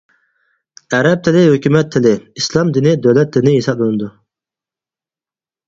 ئەرەب تىلى ھۆكۈمەت تىلى، ئىسلام دىنى دۆلەت دىنى ھېسابلىنىدۇ.